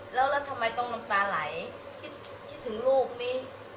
แล้วทำไมต้องน้ำตาไหลคิดถึงลูกนี้